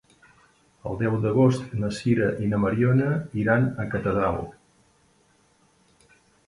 El deu d'agost na Sira i na Mariona iran a Catadau.